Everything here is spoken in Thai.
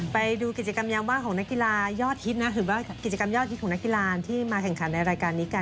ไปดูกิจกรรมยาวมากของนักกีฬายอดฮิตนะ